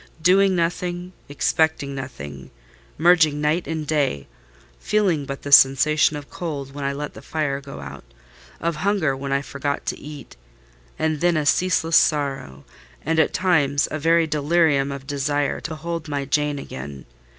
Doing nothing, expecting nothing; merging night in day; feeling but the sensation of cold when I let the fire go out, of hunger when I forgot to eat: and then a ceaseless sorrow, and, at times, a very delirium of desire to behold my Jane again.